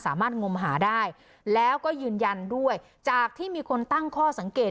งมหาได้แล้วก็ยืนยันด้วยจากที่มีคนตั้งข้อสังเกต